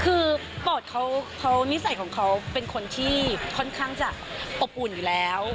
คือปอดเขานิสัยของเขาเป็นคนที่ค่อนข้างจะอบอุ่นอยู่แล้ว